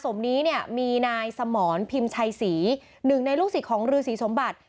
ตอนนี้มีนายสมรพิมชัยศรี๑ในลูกศิษย์ของฤษีสมบัติ